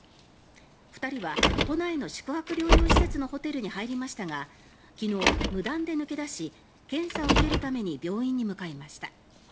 ２人は都内の宿泊療養施設のホテルに入りましたが昨日、無断で抜け出し検査を受けるために病院に向かいました。